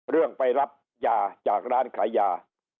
เรื่องไปรับยาจากร้านขายยา